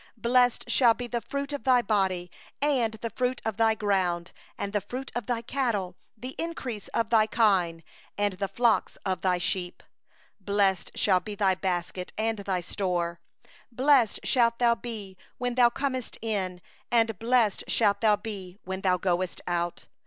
4Blessed shall be the fruit of thy body, and the fruit of thy land, and the fruit of thy cattle, the increase of thy kine, and the young of thy flock. 5Blessed shall be thy basket and thy kneading trough. 6Blessed shalt thou be when thou comest in, and blessed shalt thou be when thou goest out.